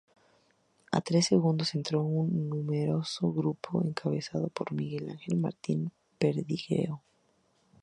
A tres segundos entró un numeroso grupo encabezado por Miguel Ángel Martín Perdiguero.